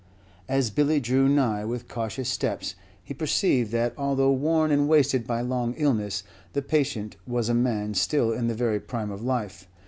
As Billy drew nigh with cautious steps, he perceived that, although worn and wasted by long illness, the patient was a man still in the very prime of life.